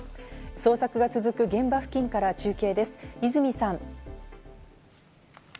捜索が続く現場付近から中継です、和泉さん。